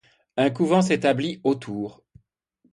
Un couvent s'établit autour.